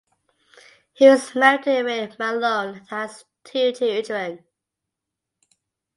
He is married to Erin Malone and has two children.